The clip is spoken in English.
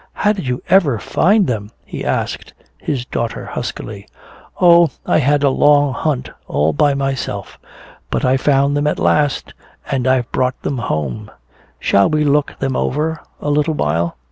"How did you ever find them?" he asked his daughter huskily. "Oh, I had a long hunt all by myself. But I found them at last and I've brought them home. Shall we look them over a little while?"